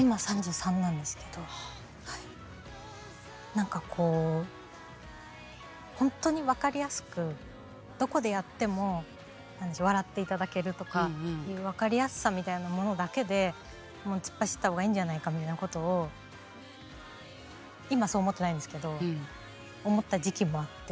何かこう本当に分かりやすくどこでやっても何でしょう笑って頂けるとかいう分かりやすさみたいなものだけで突っ走った方がいいんじゃないかみたいなことを今そう思ってないんですけど思った時期もあって。